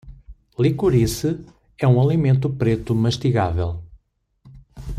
Licorice é um alimento preto mastigável.